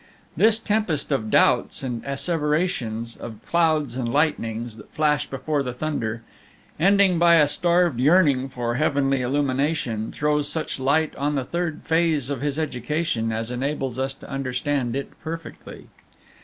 This tempest of doubts and asseverations, of clouds and of lightnings that flash before the thunder, ending by a starved yearning for heavenly illumination, throws such a light on the third phase of his education as enables us to understand it perfectly.